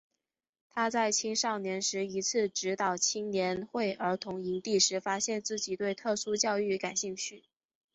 他在青少年时一次指导青年会儿童营地时发现自己对特殊教育感兴趣。